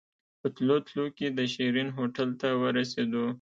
په تلو تلو کې د شيرين هوټل ته ورسېدو.